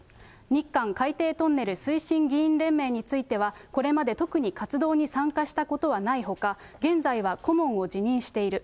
日韓海底トンネル推進議員連盟については、これまで特に活動に参加したことはないほか、現在は顧問を辞任している。